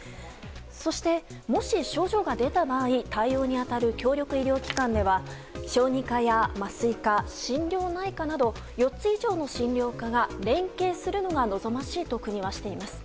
そして、もし症状が出た場合対応に当たる協力医療機関では小児科や麻酔科、心療内科など４つ以上の診療科が連携するのが望ましいと国はしています。